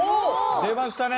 出ましたね。